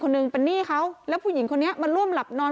หนึ่งเป็นหนี้เขาแล้วผู้หญิงคนนี้มาร่วมหลับนอน